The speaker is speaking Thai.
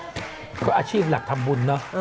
เพราะอาชีพหลักทำบุญเนอะ